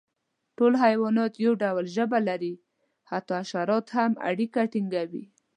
ټول حیوانات یو ډول ژبه لري، حتی حشرات هم اړیکه ټینګوي.